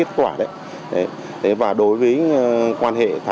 từ đó đã điều tra